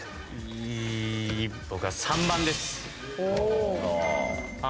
ええ僕は３番です。